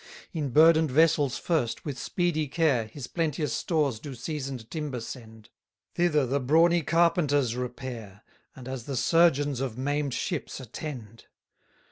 142 In burden'd vessels first, with speedy care, His plenteous stores do seasoned timber send; Thither the brawny carpenters repair, And as the surgeons of maim'd ships attend.